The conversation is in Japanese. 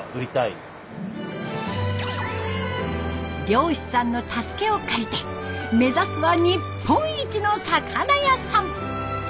漁師さんの助けを借りて目指すは日本一の魚屋さん。